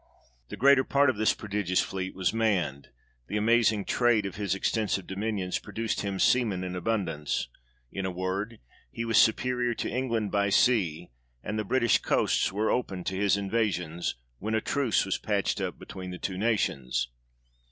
The greater part of this prodigious fleet was manned ; the amazing trade of his extensive dominions produced him seamen in abundance ; in a word, he was superior to England by sea, and the British coasts were open to his invasions, when a truce was patched up between the two nations.